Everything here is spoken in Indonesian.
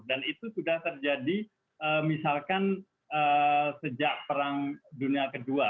itu sudah terjadi misalkan sejak perang dunia kedua